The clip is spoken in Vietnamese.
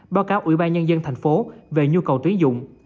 báo cáo ủy ban nhân dân tp hcm về nhu cầu tuyến dụng